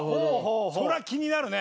それは気になるね。